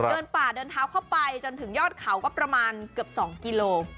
เดินป่าเดินเท้าเข้าไปจนถึงยอดเขาก็ประมาณเกือบ๒กิโล